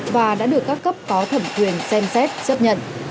và đã được các cấp có thẩm quyền xem xét chấp nhận